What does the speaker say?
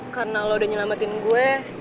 karena lo udah nyelamatin gue